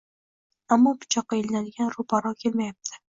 Ammo pichoqqa ilinadigani ro‘paro‘ kelmayapti